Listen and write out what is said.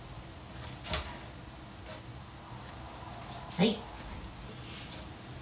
はい。